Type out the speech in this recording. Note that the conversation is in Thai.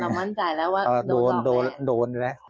เรามั่นใจแล้วว่าโดนต่อไปแล้วโดนแล้ว